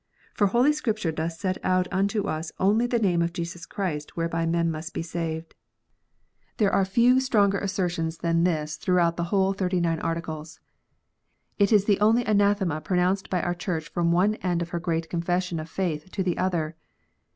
Eor Holy Scripture doth set out unto us only the name of Jesus Christ whereby men must be saved." There are few stronger assertions than this throughout the ONLY ONE WAY. OF SALVATION. 2 7 whole Thirty nine Articles. It is the only anathema pro nounced by our Church from one end of her great Confession of faith to the other.